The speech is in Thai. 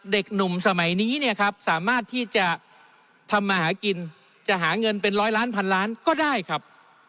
เด็กหนุ่มสมัยนี้เนี่ยครับสามารถที่จะทำมาหากินจะหาเงินเป็นร้อยล้านพันล้านก็ได้ครับ